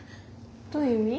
どういう意味？